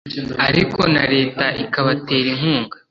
ariko na leta ikabatera inkunga.